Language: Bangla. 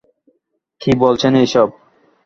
কী বলছেন এসব?